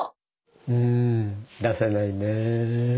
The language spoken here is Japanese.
⁉うん出せないね。